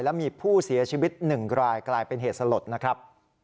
และมีผู้เสียชีวิต๑รายกลายเป็นเหตุสลดนะครับ